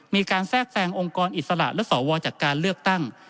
แทรกแทรงองค์กรอิสระและสวจากการเลือกตั้ง